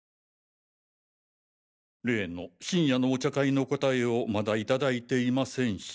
例の深夜のお茶会の答えをまだ頂いていませんし。